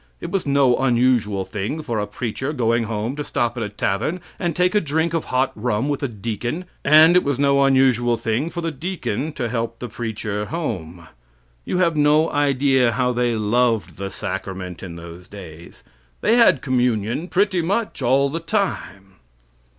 It was no unusual thing for a preacher going home to stop in a tavern and take a drink of hot rum with a deacon, and it was no unusual thing for the deacon to help the preacher home. You have no idea how they loved the sacrament in those days. They had communion pretty much all the time.